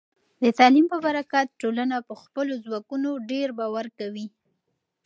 د تعلیم په برکت، ټولنه په خپلو ځواکونو ډیر باور کوي.